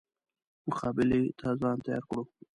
مقابلې ته ځان تیار کړو.